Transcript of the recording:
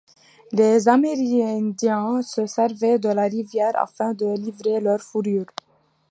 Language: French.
Les Amérindiens se servaient de la rivière afin de livrer leurs fourrures.